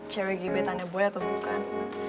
cewek giliran tanya boy atau bukan